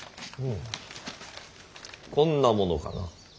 うんこんなものかな。